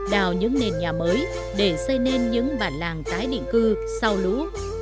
đào những nền nhà mới để xây nên những bản làng tái định cư sau lũ